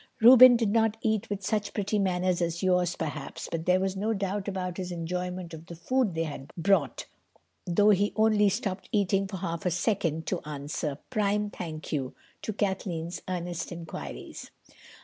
Reuben did not eat with such pretty manners as yours, perhaps, but there was no doubt about his enjoyment of the food they had brought, though he only stopped eating for half a second, to answer, "Prime. Thank you," to Kathleen's earnest inquiries.